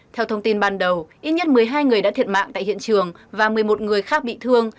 theo thông tin ban đầu ít nhất một mươi hai người đã thiệt mạng tại hiện trường và một mươi một người khác bị thương